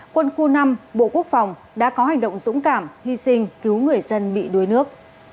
quân khu năm bộ quốc phòng đã có hành động dũng cảm hy sinh cứu người dân bị đuối nước